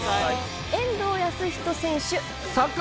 遠藤保仁選手。